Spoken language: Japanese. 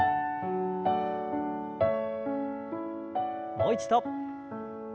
もう一度。